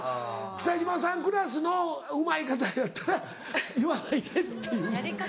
北島さんクラスのうまい方やったら「言わないで」って言うの。